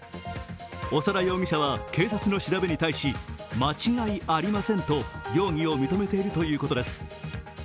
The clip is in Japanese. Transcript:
長田容疑者は警察の調べに対し間違いありませんと容疑を認めているということです。